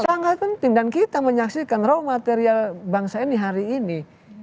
sangat penting dan kita menyaksikan raw material bangsa ini hari ini